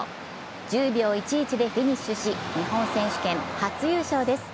１０秒１１でフィニッシュし日本選手権初優勝です。